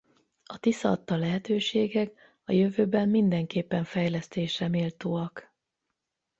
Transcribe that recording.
A Tisza adta lehetőségek a jövőben mindenképpen fejlesztésre méltóak.